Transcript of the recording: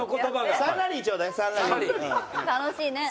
楽しいね。